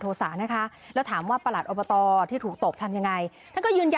แต่เขาก็กลับมาทำงานต่อ